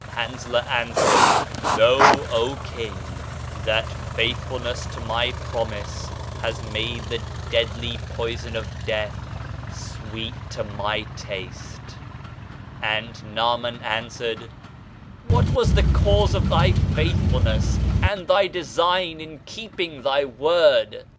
Hanzalah answered: "Know, O king, that 58 Digitized by Google OF CIVILIZATION faithfulness to my promise has made the deadly poison of death sweet to my taste I" And Naaman answered : "What was the cause of thy faithfulness and thy design in keeping thy word?"